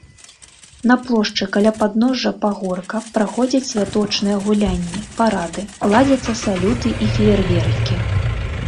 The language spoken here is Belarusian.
На плошчы каля падножжа пагорка праходзяць святочныя гулянні, парады, ладзяцца салюты і феерверкі.